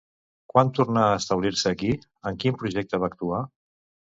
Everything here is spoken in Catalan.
Quan tornà a establir-se aquí, en quin projecte va actuar?